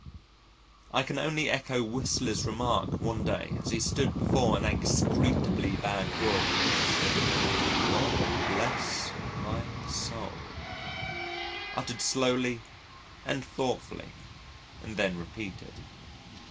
I can only echo Whistler's remark one day as he stood before an execrably bad drawing "God bless my soul" uttered slowly and thoughtfully and then repeated.